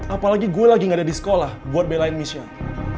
apalagi gue lagi gak ada di sekolah buat belain michelle